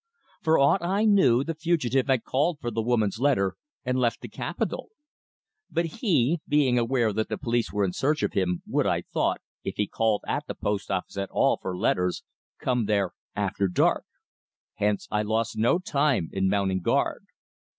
For aught I knew, the fugitive had called for the woman's letter and left the capital. But he, being aware that the police were in search of him, would, I thought, if he called at the post office at all for letters, come there after dark. Hence, I had lost no time in mounting guard.